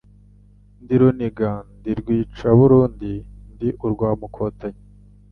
Ndi Rugina ndi RwicabarundiNdi urwa Mukotanyi.